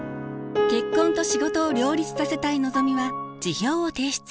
結婚と仕事を両立させたいのぞみは辞表を提出。